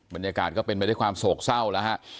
บรรยากาศก็เป็นไปได้ความโศกเศร้านะครับ